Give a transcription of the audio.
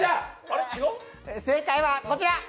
正解はこちら。